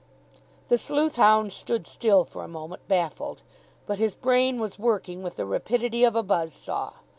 The sleuth hound stood still for a moment, baffled. But his brain was working with the rapidity of a buzz saw.